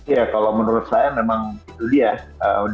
ya kalau menurut saya memang itu dia